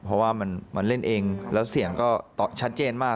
เพราะว่ามันเล่นเองแล้วเสียงก็ชัดเจนมาก